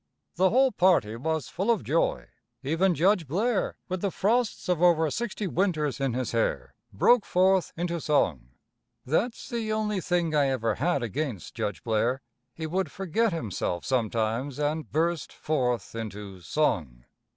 The whole party was full of joy. Even Judge Blair, with the frosts of over sixty winters in his hair, broke forth into song. That's the only thing I ever had against Judge Blair. He would forget himself sometimes and burst forth into song.